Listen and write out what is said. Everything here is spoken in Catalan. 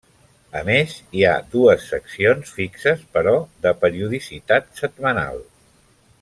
A més, hi ha dues seccions fixes però de periodicitat setmanal.